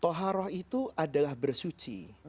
toharoh itu adalah bersuci